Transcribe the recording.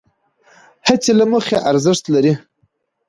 هڅې له مخې ارزښت لرې،